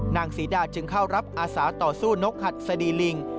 นางศรีดาจึงเข้ารับอาสาต่อสู้นกหัดสดีลิง